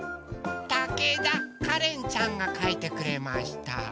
たけだかれんちゃんがかいてくれました。